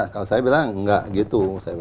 kalau saya bilang nggak gitu